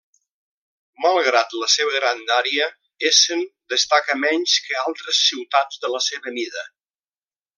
Malgrat la seva grandària, Essen destaca menys que altres ciutats de la seva mida.